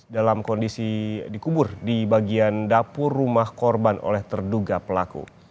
dalam kondisi dikubur di bagian dapur rumah korban oleh terduga pelaku